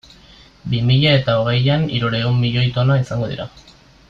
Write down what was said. Bi mila eta hogeian hirurehun milioi tona izango dira.